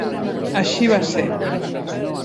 Així va ser.